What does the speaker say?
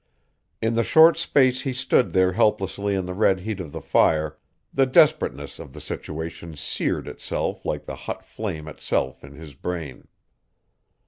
In the short space he stood there helplessly in the red heat of the fire the desperateness of the situation seared itself like the hot flame itself in his brain.